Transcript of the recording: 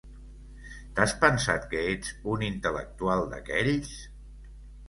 T’has pensat que ets un intel·lectual d’aquells?